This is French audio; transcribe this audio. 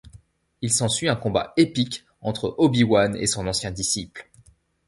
Il s'ensuit un combat épique entre Obi-Wan et son ancien disciple.